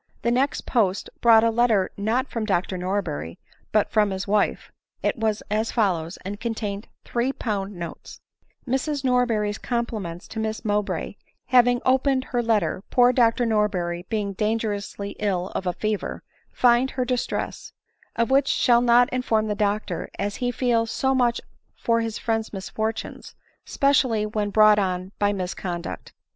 The next post brought a letter not from Dr Norber ry, but from his wife ; it was as follows, and contained three pound notes :" Mrs Norberry's compliments to Miss Mowbray, having opened her letter, poor Dr Norberry being dan gerously HI of a fever, find her distress ; of which shall not inform the doctor, as he feel so much for his friend's misfortunes, specially when brought on by misconduct.